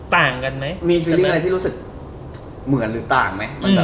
ต่างกันไหมมีฟิลลี่อะไรที่รู้สึกเหมือนหรือต่างไหม